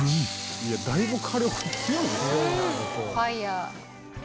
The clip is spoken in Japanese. いやだいぶ火力強いで。